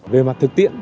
về mặt thực tiện